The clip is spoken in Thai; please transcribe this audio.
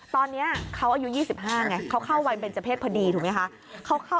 ตอนนี้เขาอายุ๒๕ไงเขาเข้าวัยเบนเจอร์เพศพอดีถูกไหมคะ